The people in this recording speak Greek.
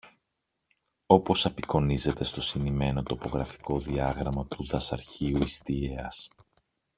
όπως απεικονίζεται στο συνημμένο τοπογραφικό διάγραμμα του Δασαρχείου Ιστιαίας